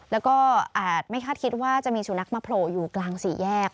แล้วก็อาจไม่คาดคิดว่าจะมีสุนัขมาโผล่อยู่กลางสี่แยก